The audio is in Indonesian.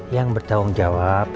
yang bertanggung jawab